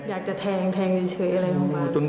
อยากจะแทงแทงเฉยอะไรออกมา